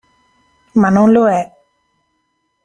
Ma non lo è.